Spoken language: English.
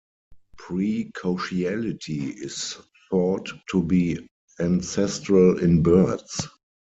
Precociality is thought to be ancestral in birds.